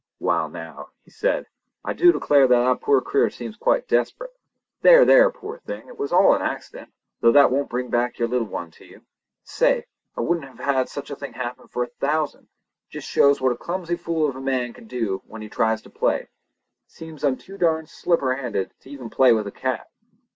"Wall, now!" he said, "I du declare that that poor critter seems quite desperate. There! there! poor thing, it was all an accident—though that won't bring back your little one to you. Say! I wouldn't have had such a thing happen for a thousand! Just shows what a clumsy fool of a man can do when he tries to play! Seems I'm too darned slipperhanded to even play with a cat.